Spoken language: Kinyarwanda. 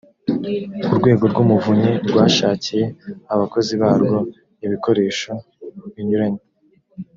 urwego rw’umuvunyi rwashakiye abakozi barwo ibikoresho binyuranye